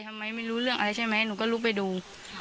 ไม่รู้เรื่องอะไรใช่ไหมหนูก็ลุกไปดู